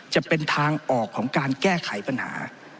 จะเป็นทางออกของการแก้ไขปัญหา